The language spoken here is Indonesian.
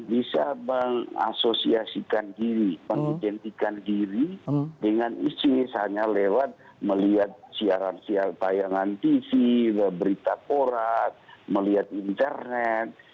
bisa mengasosiasikan diri mengidentikan diri dengan isis hanya lewat melihat siaran siaran tayangan tv berita porat melihat internet